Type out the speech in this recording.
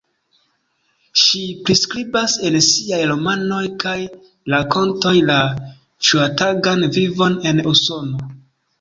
Ŝi priskribas en siaj romanoj kaj rakontoj la ĉiutagan vivon en Usono.